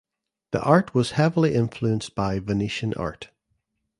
The art was heavily influenced by Venetian art.